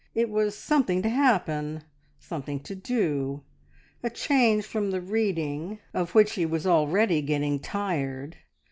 It was something to happen, something to do, a change from the reading, of which he was already getting tired.